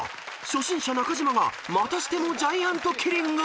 初心者中島がまたしてもジャイアントキリング！］